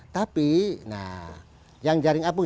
tapi nah yang jaring apung